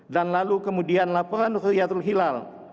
dan kemudian laporan ruhyatul hilal